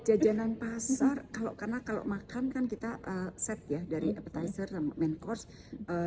jajanan pasar kalau karena kalau makan kan kita set ya dari appetizer sama main course